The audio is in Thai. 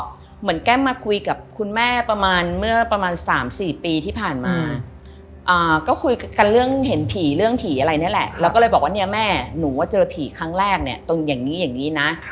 เหมือนแก้มมาคุยกับคุณแม่ประมาณเมื่อประมาณ๓๔ปีที่ผ่านมาก็คุยกันเรื่องเห็นผีเรื่องผีอะไรนี่แหละแล้วก็เลยบอกว่าเนี่ยแม่หนูว่าเจอผีครั้งแรกเนี่ยตรงอย่างนี้อย่างนี้นะ